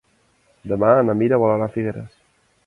Demà na Mira vol anar a Figueres.